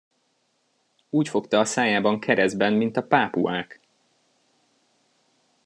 Úgy fogta a szájában keresztben, mint a pápuák!